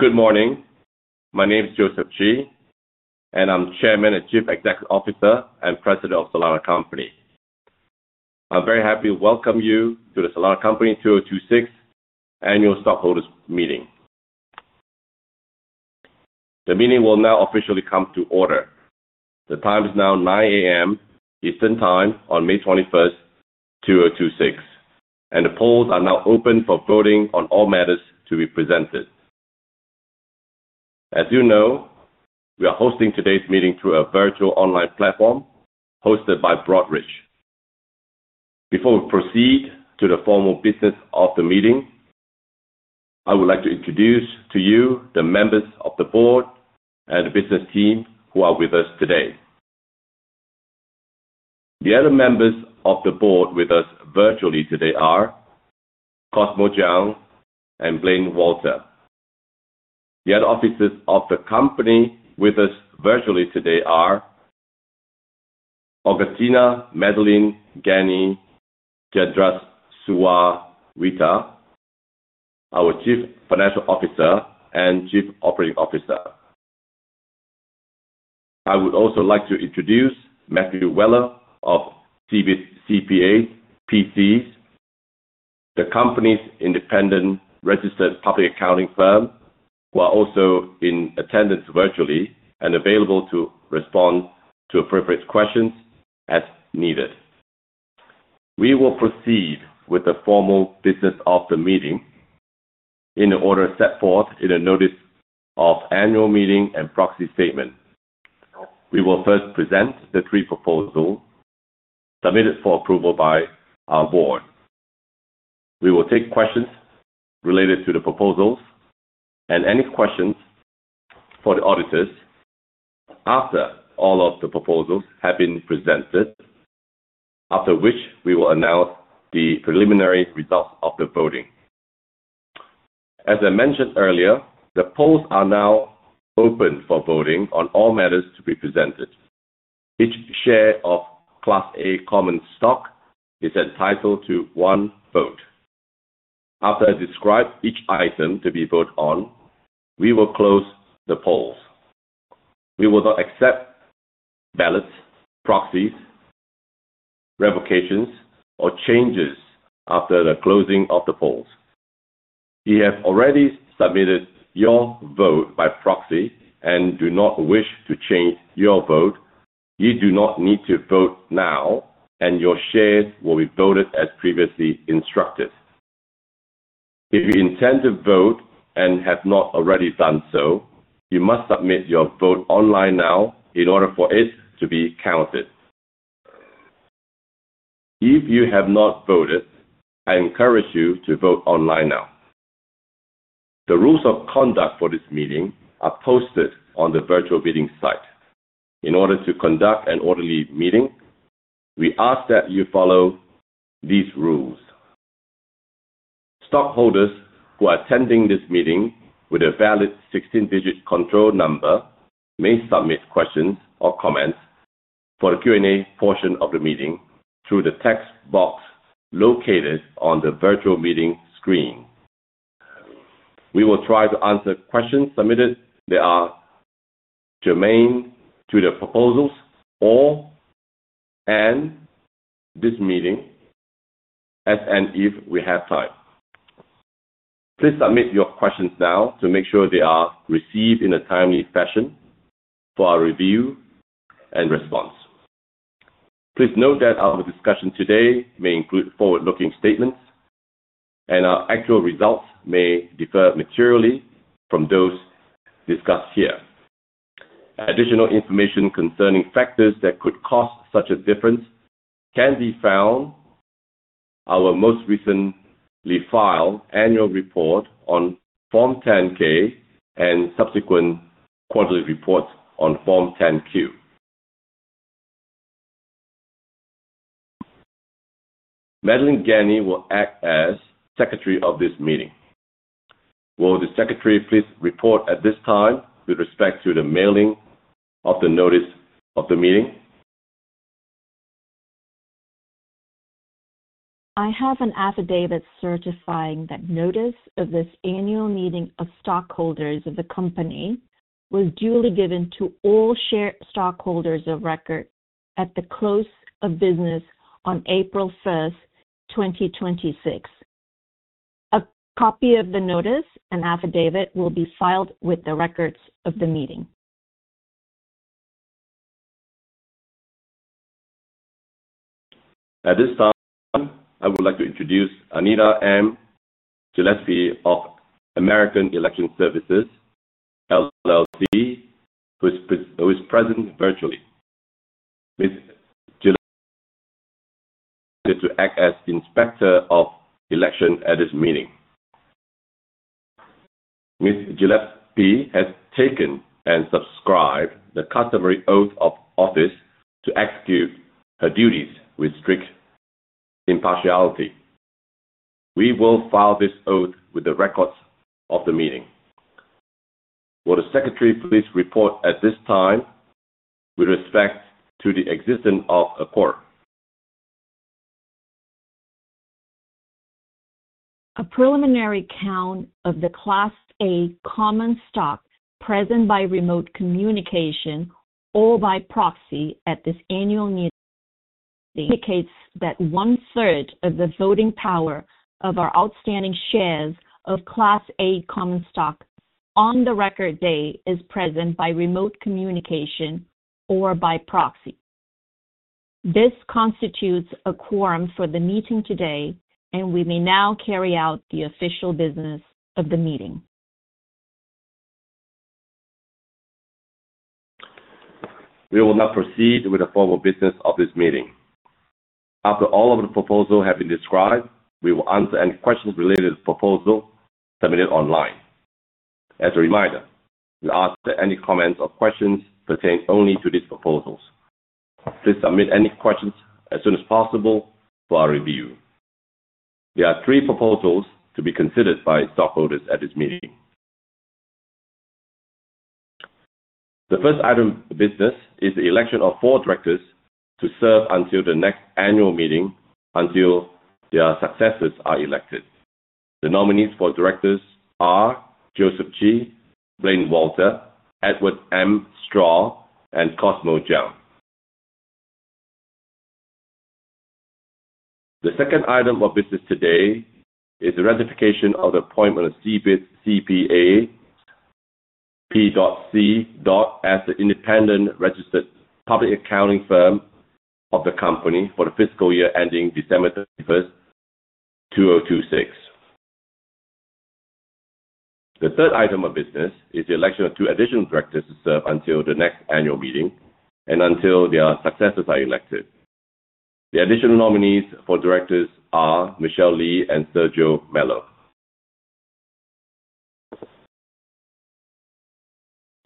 Good morning. My name is Joseph Chee, and I'm Chairman and Chief Executive Officer and President of Solana Company. I'm very happy to welcome you to the Solana Company 2026 Annual Stockholders Meeting. The meeting will now officially come to order. The time is now 9:00 A.M. Eastern Time on May 21st, 2026, and the polls are now open for voting on all matters to be presented. As you know, we are hosting today's meeting through a virtual online platform hosted by Broadridge. Before we proceed to the formal business of the meeting, I would like to introduce to you the members of the board and the business team who are with us today. The other members of the board with us virtually today are Cosmo Jiang and Blane Walter. The other officers of the company with us virtually today are Agustina Madelene Gani Tjandrasuwita, our Chief Financial Officer, and Chief Operating Officer. I would also like to introduce Matthew Weller of CBIZ CPAs, P.C., the company's independent registered public accounting firm, who are also in attendance virtually and available to respond to appropriate questions as needed. We will proceed with the formal business of the meeting in the order set forth in a notice of annual meeting and proxy statement. We will first present the three proposals submitted for approval by our board. We will take questions related to the proposals and any questions for the auditors after all of the proposals have been presented, after which we will announce the preliminary results of the voting. As I mentioned earlier, the polls are now open for voting on all matters to be presented. Each share of Class A common stock is entitled to one vote. After I describe each item to be voted on, we will close the polls. We will not accept ballots, proxies, revocations, or changes after the closing of the polls. If you have already submitted your vote by proxy and do not wish to change your vote, you do not need to vote now, and your shares will be voted as previously instructed. If you intend to vote and have not already done so, you must submit your vote online now in order for it to be counted. If you have not voted, I encourage you to vote online now. The rules of conduct for this meeting are posted on the virtual meeting site. In order to conduct an orderly meeting, we ask that you follow these rules. Stockholders who are attending this meeting with a valid 16-digit control number may submit questions or comments for the Q&A portion of the meeting through the text box located on the virtual meeting screen. We will try to answer questions submitted that are germane to the proposals or/and this meeting as and if we have time. Please submit your questions now to make sure they are received in a timely fashion for our review and response. Please note that our discussion today may include forward-looking statements and our actual results may differ materially from those discussed here. Additional information concerning factors that could cause such a difference can be found our most recently filed annual report on Form 10-K and subsequent quarterly reports on Form 10-Q. Madelene Gani will act as Secretary of this meeting. Will the Secretary please report at this time with respect to the mailing of the notice of the meeting? I have an affidavit certifying that notice of this annual meeting of stockholders of the company was duly given to all shareholders of record at the close of business on April 1st, 2026. A copy of the notice and affidavit will be filed with the records of the meeting. At this time, I would like to introduce Anita M. Gillespie of American Election Services, LLC, who is present virtually. Ms. Gillespie to act as Inspector of Election at this meeting. Ms. Gillespie has taken and subscribed the customary oath of office to execute her duties with strict impartiality. We will file this oath with the records of the meeting. Will the Secretary please report at this time with respect to the existence of a quorum? A preliminary count of the Class A common stock present by remote communication or by proxy at this annual meeting indicates that 1/3 of the voting power of our outstanding shares of Class A common stock on the record day is present by remote communication or by proxy. This constitutes a quorum for the meeting today, and we may now carry out the official business of the meeting. We will now proceed with the formal business of this meeting. After all of the proposals have been described, we will answer any questions related to the proposals submitted online. As a reminder, we ask that any comments or questions pertain only to these proposals. Please submit any questions as soon as possible for our review. There are three proposals to be considered by stockholders at this meeting. The first item of business is the election of four directors to serve until the next annual meeting, until their successors are elected. The nominees for directors are Joseph Chee, Blane Walter, Edward M. Straw, and Cosmo Jiang. The second item of business today is the ratification of the appointment of CBIZ CPAs, P.C., as the independent registered public accounting firm of the company for the fiscal year ending December 31st, 2026. The third item of business is the election of two additional directors to serve until the next annual meeting, and until their successors are elected. The additional nominees for directors are Michel Lee and Sergio Mello.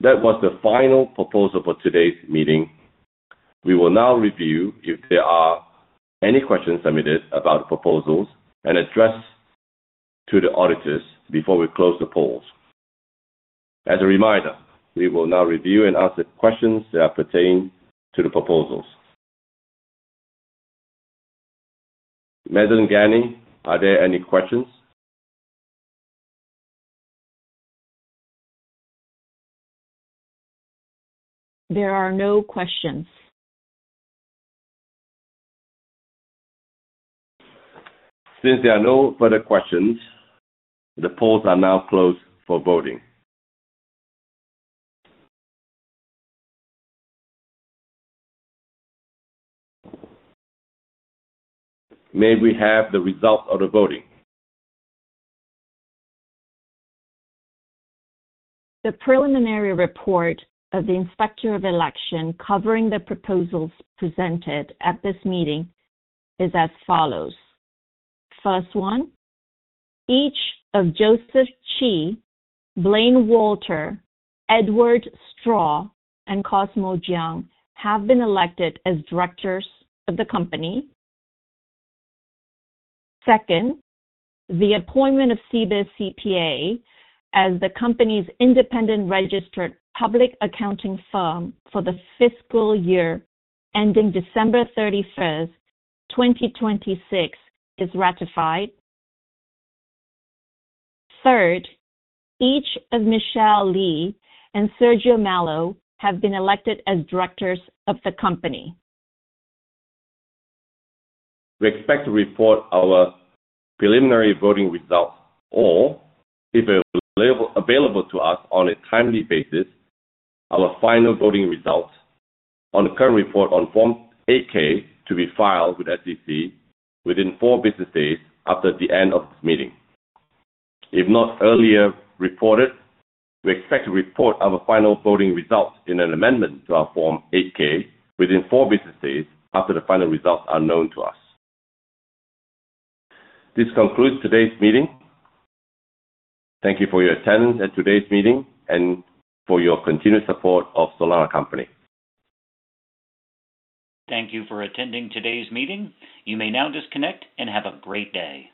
That was the final proposal for today's meeting. We will now review if there are any questions submitted about the proposals and address to the auditors before we close the polls. As a reminder, we will now review and answer questions that pertain to the proposals. Madelene Gani, are there any questions? There are no questions. Since there are no further questions, the polls are now closed for voting. May we have the results of the voting? The preliminary report of the inspector of election covering the proposals presented at this meeting is as follows. First one, each of Joseph Chee, Blane Walter, Edward Straw, and Cosmo Jiang have been elected as directors of the company. Second, the appointment of CBIZ CPAs, as the company's independent registered public accounting firm for the fiscal year ending December 31, 2026 is ratified. Third, each of Michel Lee and Sergio Mello have been elected as directors of the company. We expect to report our preliminary voting results, or if available to us on a timely basis, our final voting results on the current report on Form 8-K to be filed with SEC within four business days after the end of this meeting. If not earlier reported, we expect to report our final voting results in an amendment to our Form 8-K within four business days after the final results are known to us. This concludes today's meeting. Thank you for your attendance at today's meeting and for your continued support of Solana Company. Thank you for attending today's meeting. You may now disconnect, and have a great day.